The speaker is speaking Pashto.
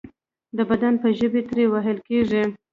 د بدن په ژبې ترې ویل کیږي.